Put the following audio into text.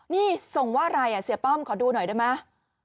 นี่ส่งว่าอะไรเสียป้อมขอดูหน่อยได้ไหม